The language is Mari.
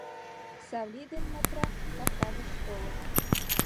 Савлий ден Матра капка гыч толыт.